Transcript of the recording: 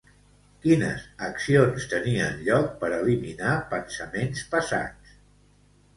Quines accions tenien lloc per eliminar pensaments passats?